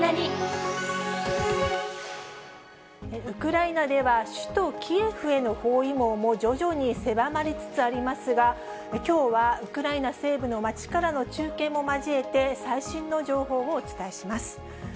ウクライナでは、首都キエフへの包囲網も徐々に狭まりつつありますが、きょうは、ウクライナの西部の街からの中継も交えて、最新の情報をお伝えします。